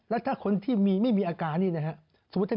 และถ้าคนที่มีไม่มีอาการที่นี้